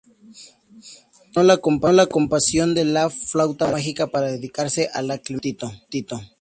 Abandonó la composición de "La flauta mágica" para dedicarse a "La clemencia de Tito".